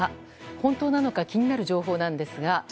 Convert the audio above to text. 本当なのか気になる情報なんですが。